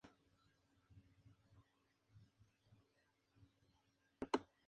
Como entidad territorial era una agregación de dominios espacialmente discontinuos.